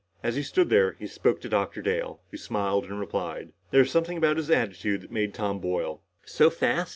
As he stood there, he spoke to Dr. Dale, who smiled and replied. There was something about his attitude that made Tom boil. So fast?